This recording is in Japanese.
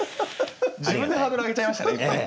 自分でハードル上げちゃいましたね今ね。